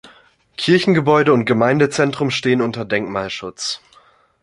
Kirchengebäude und Gemeindezentrum stehen unter Denkmalschutz.